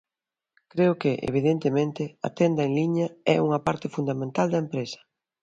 Creo que, evidentemente, a tenda en liña é unha parte fundamental da empresa.